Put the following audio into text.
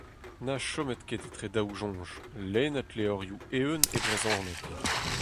Na chomit ket etre daou soñj, lennit levrioù eeun e brezhoneg.